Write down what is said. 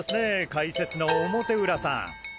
解説の表裏さん。